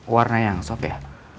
warna yang soft ya